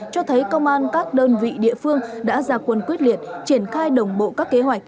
cho thấy công an các đơn vị địa phương đã ra quân quyết liệt triển khai đồng bộ các kế hoạch